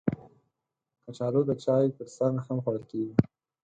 کچالو د چای ترڅنګ هم خوړل کېږي